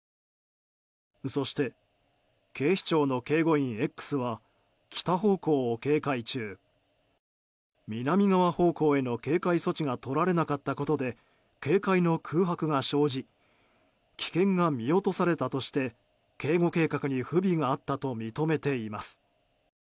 そして、警視庁の警護員Ｘは北方向を警戒中、南側方向への警戒措置がとられなかったことで警戒の空白が生じ危険が見落とされたとして警護計画に不備があったと認めています。